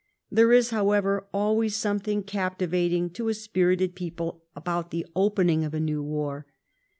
There is, however, always something captivating to a spirited people about the opening of a new war.